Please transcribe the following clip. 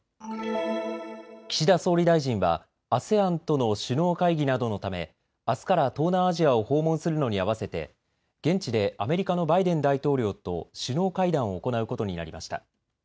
岸田総理大臣はＡＳＥＡＮとの首脳会議などのためあすから東南アジアを訪問するのに合わせて現地でアメリカのバイデン大統領と首脳会談を行うことになりました。